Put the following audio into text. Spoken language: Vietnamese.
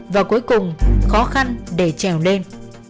và cuối cùng khó khăn để trèo lên